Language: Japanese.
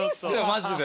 マジで。